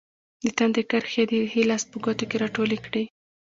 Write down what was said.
د تندي کرښې یې د ښي لاس په ګوتو کې راټولې کړې.